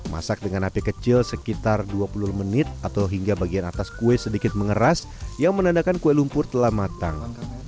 masak dengan api kecil sekitar dua puluh menit atau hingga bagian atas kue sedikit mengeras yang menandakan kue lumpur telah matang